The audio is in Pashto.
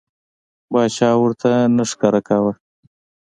باچا ورته نه ښکاره کاوه.